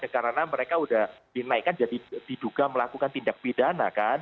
karena mereka sudah dinaikkan jadi diduga melakukan tindak pidana kan